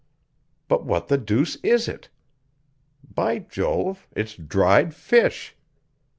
But what the deuce is it? By Jove, it's dried fish!